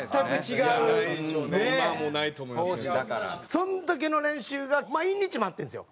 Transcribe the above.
そんだけの練習が毎日待ってるんですよ。